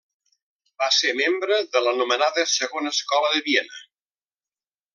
Va ser membre de l'anomenada Segona Escola de Viena.